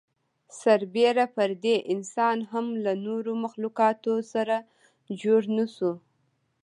سر بېره پر دې انسان هم له نورو مخلوقاتو سره جوړ نهشو.